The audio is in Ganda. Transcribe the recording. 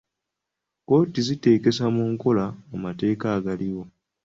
Kkooti ziteekesa mu nkola amateeka agaliwo.